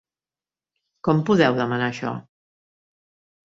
Com podeu demanar això?